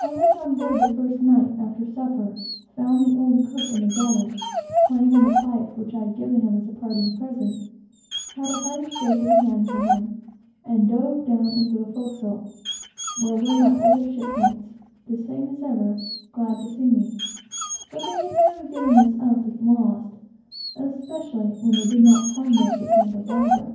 I went on board the first night, after supper; found the old cook in the galley, playing upon the fife which I had given him, as a parting present; had a hearty shake of the hand from him; and dove down into the forecastle, where were my old ship mates, the same as ever, glad to see me; for they had nearly given us up as lost, especially when they did not find us in Santa Barbara.